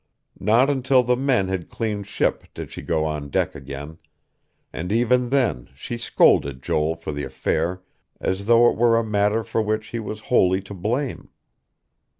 Not until the men had cleaned ship did she go on deck again; and even then she scolded Joel for the affair as though it were a matter for which he was wholly to blame.